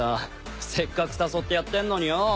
せっかく誘ってやってんのによ。